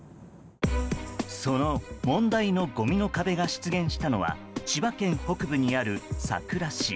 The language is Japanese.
その問題のごみの壁が出現したのは千葉県北部にある、佐倉市。